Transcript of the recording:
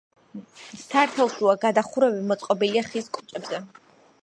სართულშუა გადახურვები მოწყობილია ხის კოჭებზე.